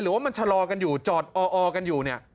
ว่ามันชะลอกันอยู่จอดออกันอยู่เนี่ย